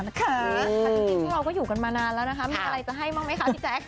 จริงพวกเราก็อยู่กันมานานแล้วนะคะมีอะไรจะให้บ้างไหมคะพี่แจ๊ค